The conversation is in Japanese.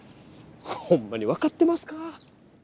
ホンマに分かってますか？